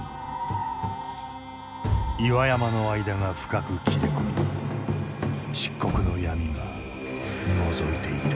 岩山の間が深く切れ込み漆黒の闇がのぞいている。